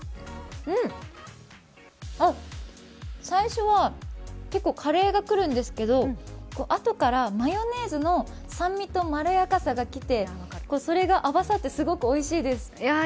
最初は結構カレーが来るんですけどあとからマヨネーズの酸味とまろやかさがきて、それが合わさってすごくおいしいです。